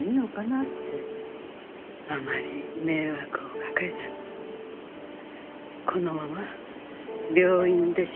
あまり迷惑をかけずこのまま病院で静かに。